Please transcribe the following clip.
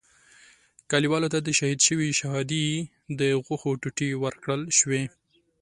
کلیوالو ته د شهید شوي شهادي د غوښو ټوټې ورکړل شوې.